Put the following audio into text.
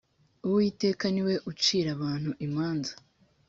uwiteka ni we ucira abantu imanza